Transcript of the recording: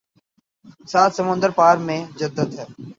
سات سمندر پار میں جدت ہے